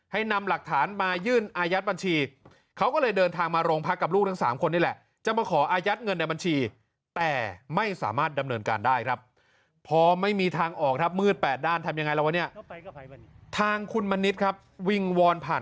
ให้นำหลักฐานมายื่นอายัดบัญชีเขาก็เลยเดินทางมาโรงพักกับลูกทั้งสามคนนี่แหละ